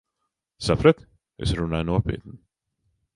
Saprati? Es runāju nopietni.